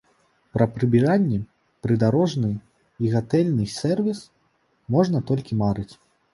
Пра прыбіральні, прыдарожны і гатэльны сервіс можна толькі марыць.